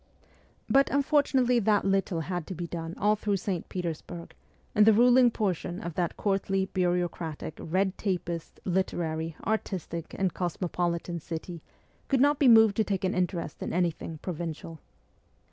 But unfortunately that little had to be done all through St. Petersburg, and the ruling portion of that courtly, bureaucratic, red tapist, literary, artistic, and cosmopolitan city could not be moved to take an interest in anything ' provincial.'